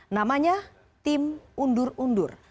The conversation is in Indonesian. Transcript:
namanya tim undur undur